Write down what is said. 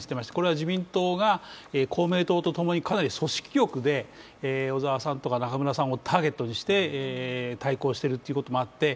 自民党が公明党とともにかなり組織力で小沢さんとか中村さんをターゲットにして対抗しているということもあって